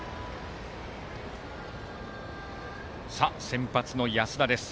先発の安田です。